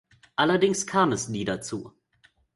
Allerdings kam es nie dazu.